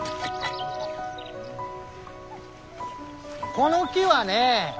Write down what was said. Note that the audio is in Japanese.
この木はね